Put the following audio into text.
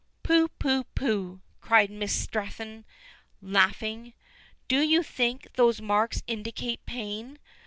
"Pooh! pooh! pooh!" cried Miss Stretton, laughing. "Do you think those marks indicate pain?